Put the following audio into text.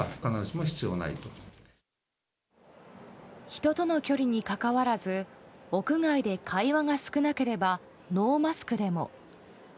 人との距離にかかわらず屋外で会話が少なければノーマスクでも。